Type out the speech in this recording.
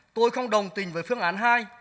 tôi không đồng tình với phương án hai